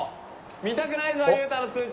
見たくないぞ、ゆうたの通知。